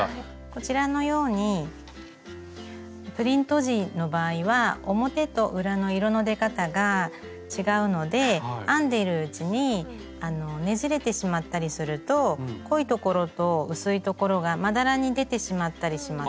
こちらのようにプリント地の場合は表と裏の色の出方が違うので編んでるうちにねじれてしまったりすると濃い所と薄い所がまだらに出てしまったりします。